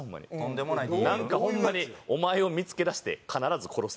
なんかホンマに「お前を見つけ出して必ず殺す！」